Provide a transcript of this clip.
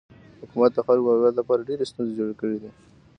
حکومت د خلکو او هیواد لپاره ډیرې ستونزې جوړې کړي.